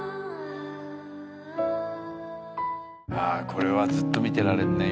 これはずっと見てられるね。